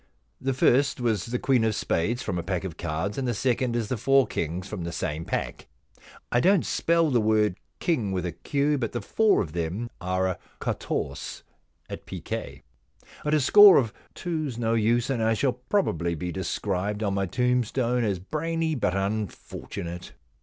The first v/as the queen of spades from a pack of cards, and the second is the four kings from the same pack. I don't spell the word king with a Q, but the four of them are a quatorse, at piquet. But a score of two's no use, and I shall probably be described on my tombstone as brainy but unfortunate.